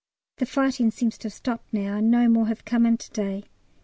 The fighting seems to have stopped now, and no more have come in to day.